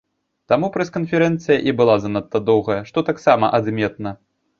Таму прэс-канферэнцыя і была занадта доўгая, што таксама адметна.